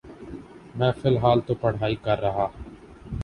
میں فلحال تو پڑہائی کر رہا۔